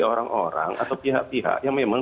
orang orang atau pihak pihak yang memang